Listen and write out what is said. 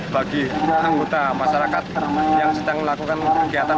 bagi anggota masyarakat yang sedang melakukan kegiatan